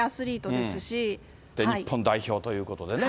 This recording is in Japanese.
で、日本代表ということでね。